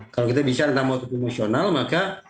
kalau kita bicara tentang motif emosional maka